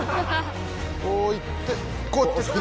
こういってこうやって。